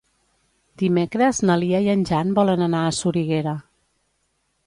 Dimecres na Lia i en Jan volen anar a Soriguera.